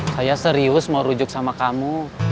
saya serius mau rujuk sama kamu